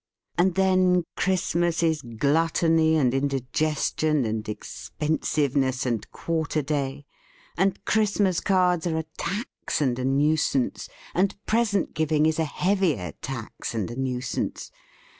And then Christmas is glut tony and indigestion and expensive ness and quarter day, and Christmas cards are a tax and a nuisance, and present giving is a heavier tax and a nuisance.